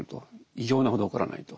異常なほど起こらないと。